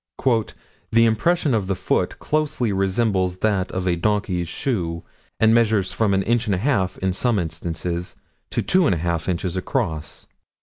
"The impression of the foot closely resembles that of a donkey's shoe, and measured from an inch and a half, in some instances, to two and a half inches across."